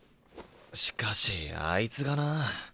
しかしあいつがなあ。